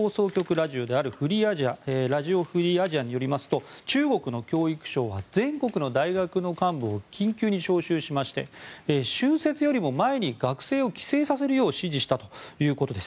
ラジオであるラジオ・フリー・アジアによりますと中国の教育省は全国の大学の幹部を緊急に招集しまして春節よりも前に学生を帰省させるよう指示したということです。